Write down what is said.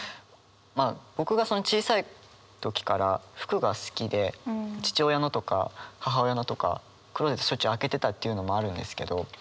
まあ僕が小さい時から服が好きで父親のとか母親のとかクローゼットしょっちゅう開けてたというのもあるんですけど。